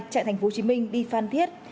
trạng tp hcm đi phan thiết